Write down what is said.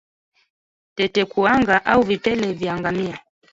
Tetekuwanga au Vipele vya ngamia